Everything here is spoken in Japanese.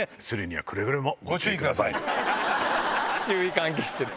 注意喚起してる。